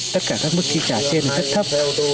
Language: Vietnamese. tất cả các mức trị trả trên rất thấp